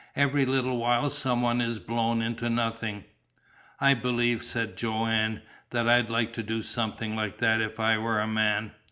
Every little while some one is blown into nothing." "I believe," said Joanne, "that I'd like to do something like that if I were a man.